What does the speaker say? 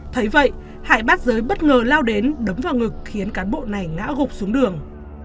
thấy vậy hải bắt giới bất ngờ lao đến đấm vào ngực khiến cán bộ này ngã gục xuống đường